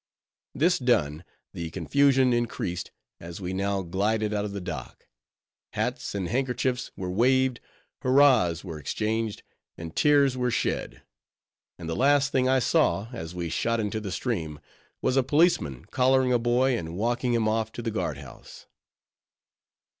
This done, the confusion increased, as we now glided out of the dock. Hats and handkerchiefs were waved; hurrahs were exchanged; and tears were shed; and the last thing I saw, as we shot into the stream, was a policeman collaring a boy, and walking him off to the guard house.